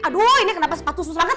aduh ini kenapa sepatu susah banget